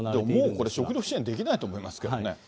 もうこれ食料支援できないと思いますけどね。